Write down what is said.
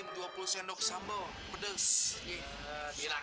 kalau dandian benar benar orang